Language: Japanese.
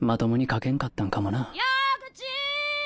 ・矢口！